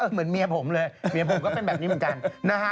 เหมือนเมียผมเลยเมียผมก็เป็นแบบนี้เหมือนกันนะฮะ